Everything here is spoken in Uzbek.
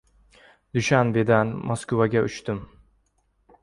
Dushanbedan Moskvaga uchdim.